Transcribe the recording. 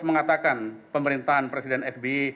mengatakan pemerintahan presiden sbi